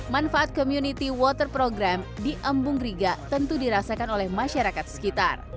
manfaat community water program di embung riga tentu dirasakan oleh masyarakat sekitar